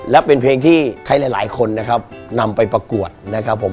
และเป็นเพลงที่ใครหลายคนนะครับนำไปประกวดนะครับผม